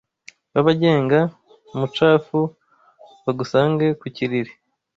B’ababenga-mucafu Bagusange ku kiriri